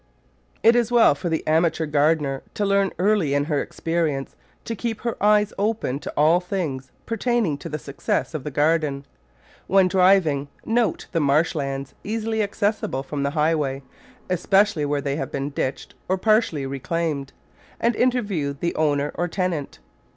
It is well for the amateur gardener to learn early in her experience to keep her eyes open to all things pertaining to the success of the garden. When driv ing, note the marsh lands easily accessible from the highway, especially where they have been ditched or partially reclaimed, and interview the owner or tenant.